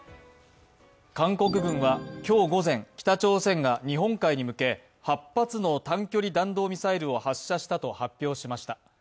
韓国軍は今日午前、北朝鮮が日本海に向け８発の短距離弾道ミサイルを発射したと発表しました。